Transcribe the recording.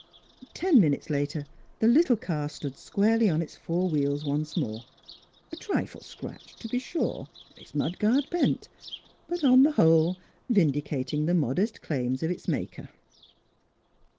Ten minutes later the little car stood squarely on its four wheels once more, a trifle scratched, to be sure, its mud guard bent; but, on the whole, vindicating the modest claims of its maker.